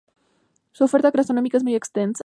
Su oferta gastronómica es muy extensa.